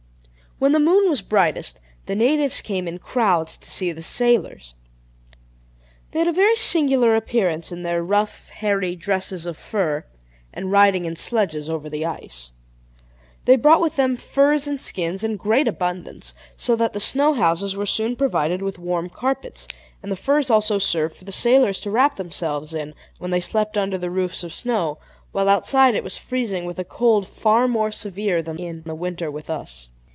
When the moon was brightest, the natives came in crowds to see the sailors. They had a very singular appearance in their rough, hairy dresses of fur, and riding in sledges over the ice. They brought with them furs and skins in great abundance, so that the snow houses were soon provided with warm carpets, and the furs also served for the sailors to wrap themselves in, when they slept under the roofs of snow, while outside it was freezing with a cold far more severe than in the winter with us.